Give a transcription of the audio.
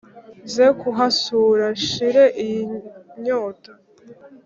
nze kuhasura nshire iyi nyota